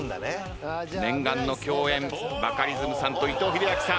念願の共演バカリズムさんと伊藤英明さん。